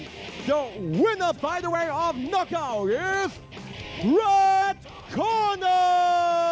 ทุกคนคุณผู้หญิงคุณผู้หญิงต่อไปจากรั้งไฟเตอร์แรดคอร์เนอร์